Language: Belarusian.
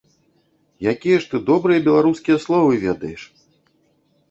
Якія ж ты добрыя беларускія словы ведаеш!